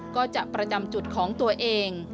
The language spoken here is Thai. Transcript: ก็จะประจำจุดของตัวเอง